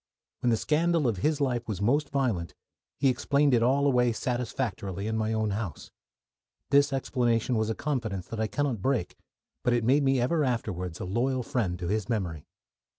When the scandal of his life was most violent, he explained it all away satisfactorily in my own house. This explanation was a confidence that I cannot break, but it made me ever afterwards a loyal friend to his memory.